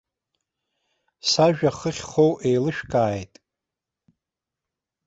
Сажәа ахы ахьхоу еилышәкааит.